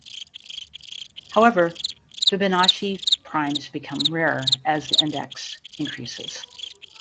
However, Fibonacci primes become rarer as the index increases.